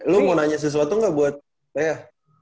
lu mau nanya sesuatu gak buat lea